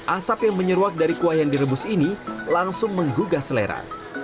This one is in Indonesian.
asap yang menyeruak dari kuah yang direbus ini langsung menggugah selera